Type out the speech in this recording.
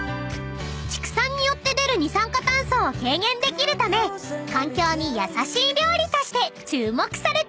［畜産によって出る二酸化炭素を軽減できるため環境に優しい料理として注目されています］